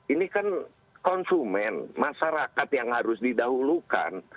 ini kan konsumen masyarakat yang harus didahulukan